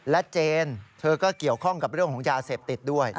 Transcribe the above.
และเจนเธอก็เกี่ยวข้องกับเรื่องของยาเสพติดด้วย